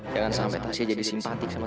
jangan sampai tasha jadi simpati sama aku